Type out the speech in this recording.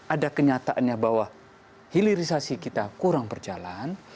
ada kenyataannya bahwa hilirisasi kita kurang berjalan